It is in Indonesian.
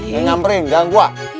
gak ngamperin gak ngakuah